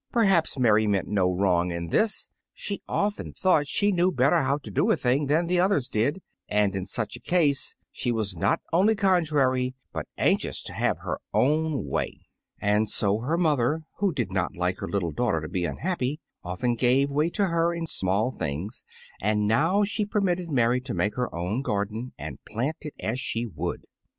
Perhaps Mary meant no wrong in this; she often thought she knew better how to do a thing than others did; and in such a case she was not only contrary, but anxious to have her own way. And so her mother, who did not like her little daughter to be unhappy, often gave way to her in small things, and now she permitted Mary to make her own garden, and plant it as she would.